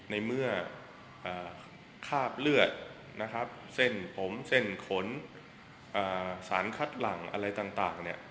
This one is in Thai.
ในเมื่อคราบเลือดนะครับเส้นผมเส้นขนสารคัดหลังอะไรต่างเนี่ย